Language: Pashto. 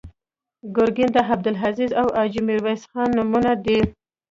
ګرګین د عبدالعزیز او حاجي میرویس خان نومونه دي.